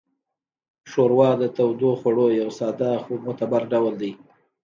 ښوروا د تودوخوړو یو ساده خو معتبر ډول دی.